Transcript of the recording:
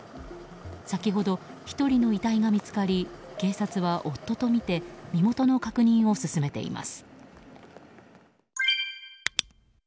先ほど１人の遺体が見つかり警察は夫とみて身元の確認を進めています。